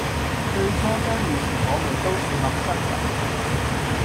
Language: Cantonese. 最初相遇時我們都是陌生人